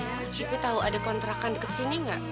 maaf bu ibu tahu ada kontrakan dekat sini gak